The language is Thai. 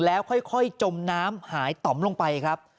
แล้วค่อยจมน้ำหายต่อมลงไปครับ